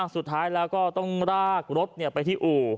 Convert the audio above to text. สุดท้ายแล้วก็ต้องรากรถไปที่อู่